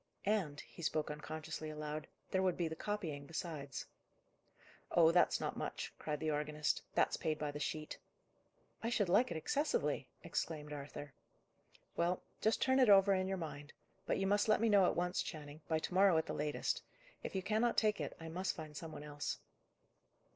"And," he spoke unconsciously aloud, "there would be the copying besides." "Oh, that's not much," cried the organist. "That's paid by the sheet." "I should like it excessively!" exclaimed Arthur. "Well, just turn it over in your mind. But you must let me know at once, Channing; by to morrow at the latest. If you cannot take it, I must find some one else."